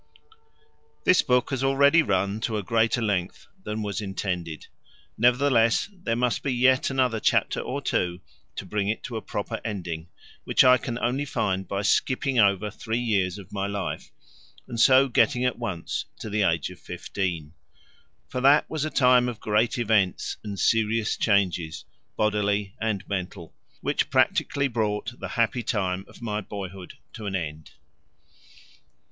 This book has already run to a greater length than was intended; nevertheless there must be yet another chapter or two to bring it to a proper ending, which I can only find by skipping over three years of my life, and so getting at once to the age of fifteen. For that was a time of great events and serious changes, bodily and mental, which practically brought the happy time of my boyhood to an end.